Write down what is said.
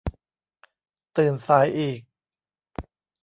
ตื่นสายอีก